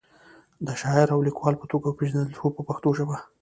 د شاعر او لیکوال په توګه وپیژندل شو په پښتو ژبه.